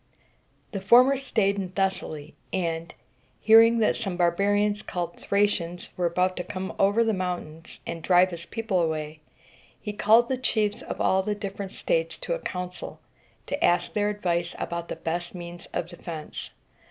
The former staid in Thessaly; and, hearing that some barbarians called Thra´cians were about to come over the mountains and drive his people away, he called the chiefs of all the different states to a council, to ask their advice about the best means of defense.